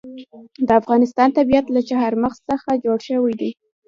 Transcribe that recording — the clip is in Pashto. د افغانستان طبیعت له چار مغز څخه جوړ شوی دی.